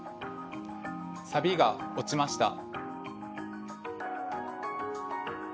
サビが落ちました。